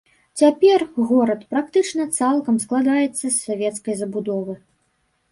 Цяпер горад практычна цалкам складаецца з савецкай забудовы.